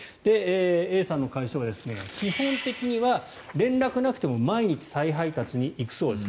Ａさんの会社は基本的には連絡がなくても毎日、再配達に行くそうです。